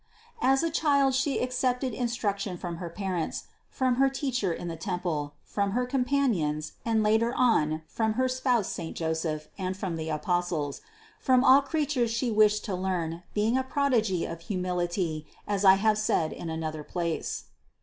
As a Child She accepted instruction from her parents, from Vol. 1—27 418 CITY OF GOD her teacher in the temple, from her companions, and later on from her spouse saint Joseph, from the Apostles ; from all creatures She wished to learn, being a prodigy of hu mility, as I have said in another place (No.